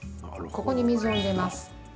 ここに水を入れます。